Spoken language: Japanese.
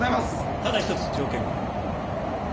ただ１つ条件がある。